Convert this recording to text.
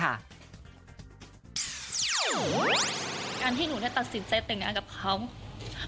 การที่หนูได้ตัดสินใจแต่งงานกับเขา